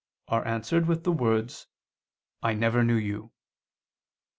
']," are answered with the words: "I never knew you."